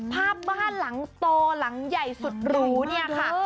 ภาพบ้านหลังโตหลังใหญ่สุดหรูค่ะ